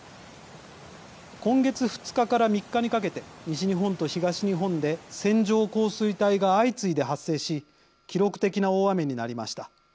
今月２日から３日にかけて西日本と東日本で線状降水帯が相次いで発生し記録的な大雨になりました。